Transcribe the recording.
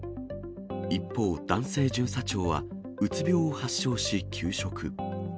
一方、男性巡査長はうつ病を発症し、休職。